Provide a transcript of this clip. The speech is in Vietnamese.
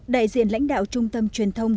đại diện lãnh đạo trung tâm truyền thông